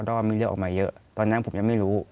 ว่ามีเลือดออกมาเยอะตอนนั้นผมยังไม่รู้